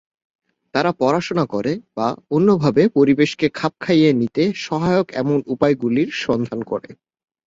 তারা পড়াশোনা করে বা অন্যভাবে পরিবেশকে খাপ খাইয়ে নিতে সহায়ক এমন উপায়গুলি সন্ধান করে।